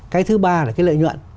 cái thứ ba là cái lợi nhuận